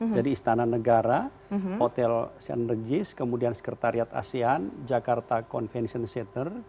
jadi istana negara hotel senerjis kemudian sekretariat acn jakarta convention center